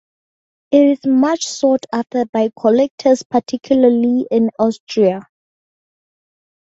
It is much sought after by collectors, particularly in Austria.